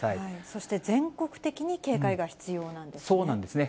そして全国的に警戒が必要なそうなんですね。